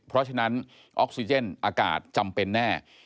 เพราะฉะนั้นออกซิเจนอากาศจำเป็นแน่